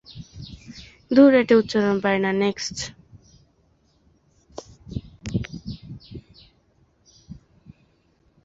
তার শিষ্য গ্যা'-ব্জাং-ছোস-র্জে-ছোস-ক্যি-স্মোন-লাম পরবর্তীকালে গ্যা'-ব্জাং-ব্কা'-ব্র্গ্যুদ ধর্মীয় গোষ্ঠীর প্রতিষ্ঠা করলেও অনেক ঐতিহাসিক জ্বা-রা-বা-স্কাল-ল্দান-য়ে-শেস-সেং-গেকে এর প্রতিষ্ঠাতা হিসেবে উল্লেখ করেন।